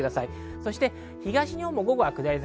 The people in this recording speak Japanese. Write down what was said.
そして東日本も午後は下り坂。